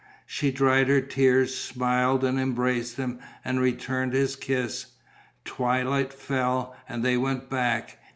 She dried her tears, smiled and embraced him and returned his kiss.... Twilight fell; and they went back.